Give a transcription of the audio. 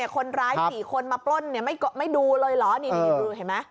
คนร้าย๔คนมาปล้นไม่ดูเลยเหรอนี่ดูเห็นไหม